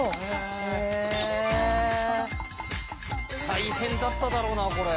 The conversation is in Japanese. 大変だっただろうなこれ。